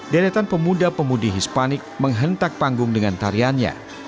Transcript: deretan pemuda pemudi hispanik menghentak panggung dengan tariannya